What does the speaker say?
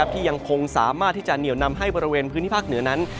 ที่ยังคงสามารถที่จะเหนียวนำให้บริเวณพื้นที่ภาคเหนือนั้น